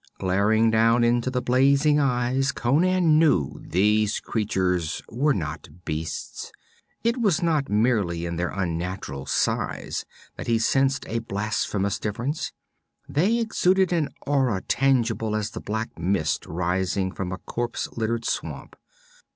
Glaring down into the blazing eyes, Conan knew these creatures were not beasts; it was not merely in their unnatural size that he sensed a blasphemous difference. They exuded an aura tangible as the black mist rising from a corpse littered swamp.